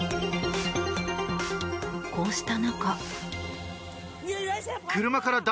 こうした中。